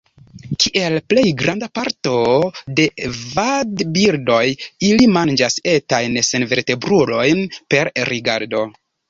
Kiel plej granda parto de vadbirdoj, ili manĝas etajn senvertebrulojn per rigardo.